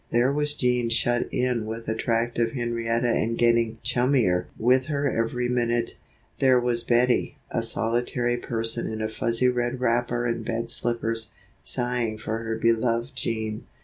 There was Jean shut in with attractive Henrietta and getting "chummier" with her every minute. There was Bettie, a solitary prisoner in a fuzzy red wrapper and bed slippers, sighing for her beloved Jean.